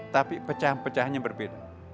tapi pecahan pecahannya berbeda